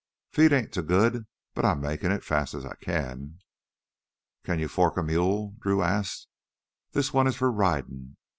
"Feet ain't too good. But I'm makin' it, fast as I can." "Can you fork a mule?" Drew asked. "This one is for ridin'.